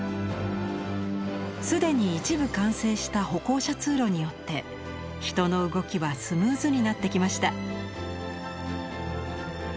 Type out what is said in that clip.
既に一部完成した歩行者通路によって人の動きはスムーズになってきました。